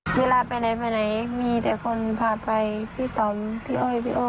เวลาไปไหนมีแต่คนพาไปพี่ตอมพี่โอ้ยพี่โอ้